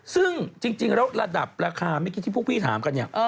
ซึ่งจริงแล้วระดับราคาเมื่อกี้ที่พวกพี่ถามกันเนี่ย